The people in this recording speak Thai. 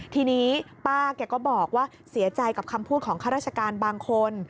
ทีนี้ป้าแกก็บอกว่าเสียใจกับคำพูดของข้าราชการบางคน